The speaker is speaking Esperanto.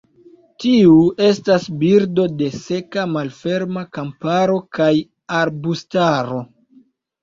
Tiu estas birdo de seka malferma kamparo kaj arbustaro.